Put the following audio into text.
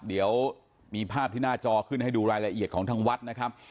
เดี๋ยวมีภาพที่หน้าจอขึ้นให้ดูรายละเอียดของทางวัดนะครับ